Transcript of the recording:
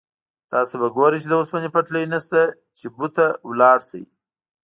تاسو به ګورئ چې د اوسپنې پټلۍ نشته چې بو ته لاړ شئ.